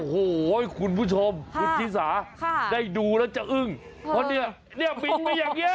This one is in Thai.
โหคุณผู้ชมคุณฮีซาได้ดูแล้วจะอึ้งเพราะเนี่ยเนี่ยบินไปอย่างเงี้ย